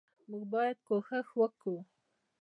موږ باید کوښښ وکو